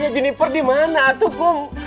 ya jeniper di mana tuh kum